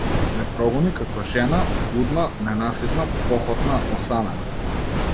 Ме прогони како жена блудна, ненаситна, похотна, осамена.